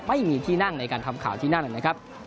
ไม่มีที่นั่งในการทำข่าวที่นั่นนะครับ